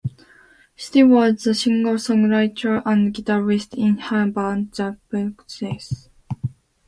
Steele was the singer-songwriter and guitarist in her band, The Plastik Scene.